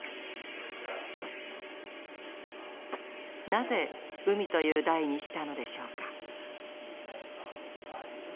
なぜ「海」という題にしたのでしょうか。